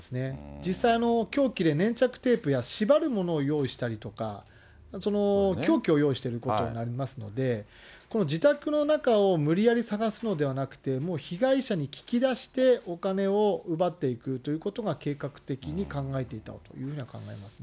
実際、凶器で粘着テープや縛るものを用意したりとか、凶器を用意していることになりますので、この自宅の中を無理やり探すのではなくて、もう被害者に聞き出してお金を奪っていくということが、計画的に考えていたということが考えますね。